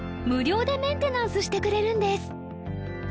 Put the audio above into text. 無料でメンテナンスしてくれるんです